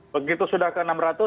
begitu sudah ke enam ratus